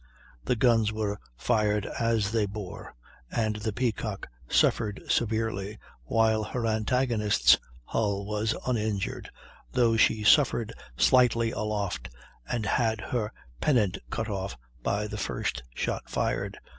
The guns were fired as they bore, and the Peacock suffered severely, while her antagonist's hull was uninjured, though she suffered slightly aloft and had her pennant cut off by the first shot fired.